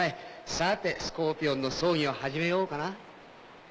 さてスコーピオンの葬儀を始めようかな。